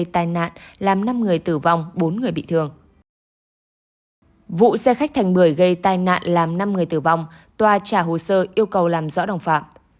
vụ xe khách thành bưởi gây tai nạn làm năm người tử vong tòa trả hồ sơ yêu cầu làm rõ đồng phạm